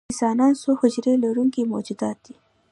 انسانان څو حجرې لرونکي موجودات دي